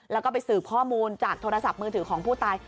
แล้วก็ไปสืบข้อมูลจากโทรศัพท์มือถือของผู้ตาย